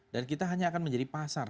dan kita hanya akan menjadi pasar